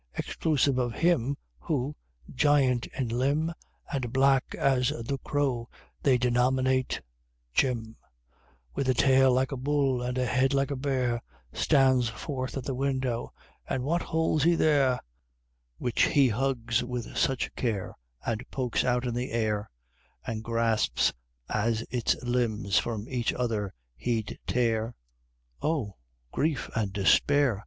_ Exclusive of Him Who, giant in limb, And black as the crow they denominate Jim, With a tail like a bull, and a head like a bear, Stands forth at the window and what holds he there, Which he hugs with such care, And pokes out in the air, And grasps as its limbs from each other he'd tear? Oh! grief and despair!